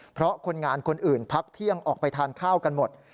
เพราะคนงานคนอื่นพักเที่ยงออกไปทานข้าวกันหมด